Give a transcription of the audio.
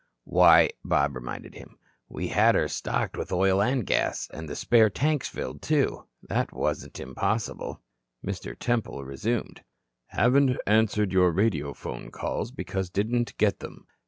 "Why," Bob reminded him, "we had her stocked with oil and gas. And the spare tanks filled, too. That wasn't impossible." Mr. Temple resumed: "Haven't answered your radiophone calls because didn't get them.